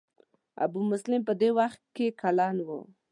ابو مسلم په دې وخت کې کلن و.